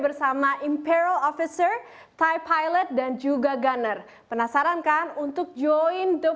bersama imperal officer thai pilot dan juga gunner penasaran kan untuk join the